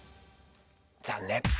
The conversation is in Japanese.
残念。